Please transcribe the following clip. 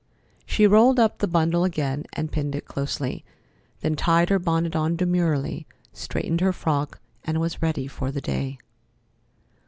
She rolled up the bundle again and pinned it closely, then tied her bonnet on demurely, straightened her frock, and was ready for the day.